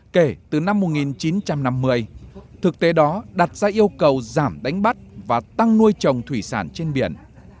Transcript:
kể từ năm một nghìn chín trăm năm mươi thực tế đó đặt ra yêu cầu giảm đánh bắt và tăng nuôi trồng thủy sản trên biển